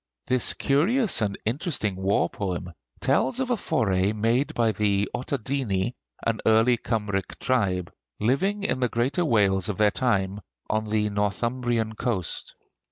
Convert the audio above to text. This curious and interesting war poem tells of a foray made by the Ottadini, an early Kymric tribe, living in the greater Wales of their time, on the Northumbrian coast.